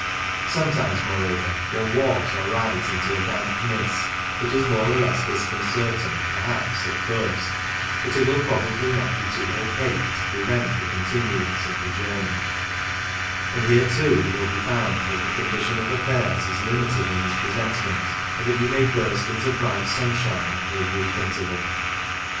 Sometimes, moreover, one walks or rides into a damp mist, which is more or less disconcerting, perhaps, at first, but it will probably not be too opaque to prevent the continuance of the journey ; and here, too, it will be found that the condition of affairs is limited in its presentment, and that you may burst into bright sunshine after a brief interval.